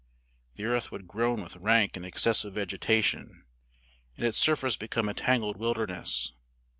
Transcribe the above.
The earth would groan with rank and excessive vegetation, and its surface become a tangled wilderness.